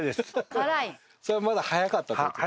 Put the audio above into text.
それはまだ早かったって事ですか？